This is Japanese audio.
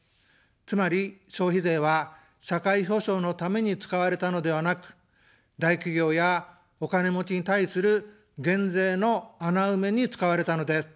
つまり、消費税は社会保障のために使われたのではなく、大企業やお金持ちに対する減税の穴埋めに使われたのです。